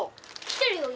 来てるよ